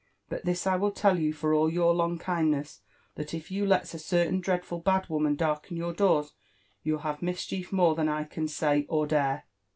But this I will tell you for all your long kindness, that if you lets a certain dreadful bad woman darken your doors, you'll have mischief more than I can say, or dare."